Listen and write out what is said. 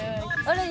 あれ？